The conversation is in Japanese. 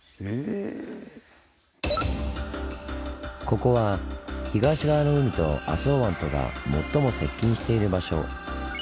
ここは東側の海と浅茅湾とが最も接近している場所。